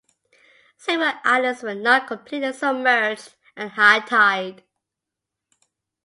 Several islands were not completely submerged at high tide.